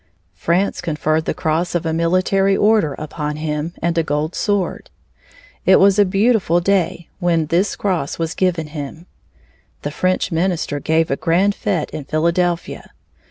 France conferred the cross of a military order upon him and a gold sword. It was a beautiful day when this cross was given him. The French minister gave a grand fête in Philadelphia.